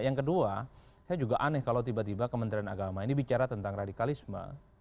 yang kedua saya juga aneh kalau tiba tiba kementerian agama ini bicara tentang radikalisme